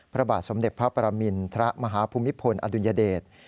พระบาทสมเด็จพระปรมินทรมาฮภูมิพลอดุลยเดช